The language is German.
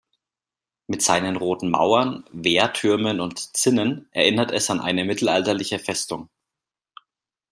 Mit seinen roten Mauern, Wehrtürmen und Zinnen erinnert es an eine mittelalterliche Festung.